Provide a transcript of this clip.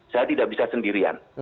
saya tidak bisa sendirian